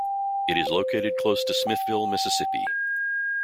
It is located close to Smithville, Mississippi.